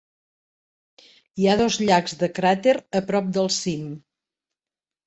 Hi ha dos llacs de cràter a prop del cim.